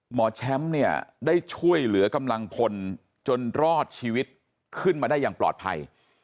หมอแชมป์เนี่ยได้ช่วยเหลือกำลังพลจนรอดชีวิตขึ้นมาได้อย่างปลอดภัย